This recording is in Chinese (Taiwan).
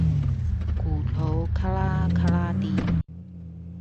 骨頭喀啦喀啦地